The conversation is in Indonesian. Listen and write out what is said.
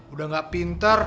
udah nggak pinter